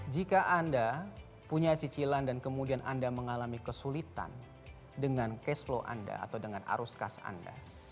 jika anda punya cicilan dan kemudian anda mengalami kesulitan dengan cash flow anda atau dengan arus kas anda